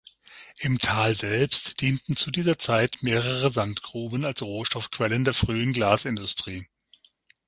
Im Tal selbst dienten zu dieser Zeit mehrere Sandgruben als Rohstoffquellen der frühen Glasindustrie.